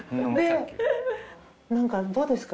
なんかどうですか？